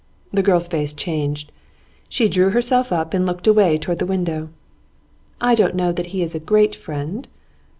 The girl's face changed. She drew herself up, and looked away towards the window. 'I don't know that he is a "great" friend.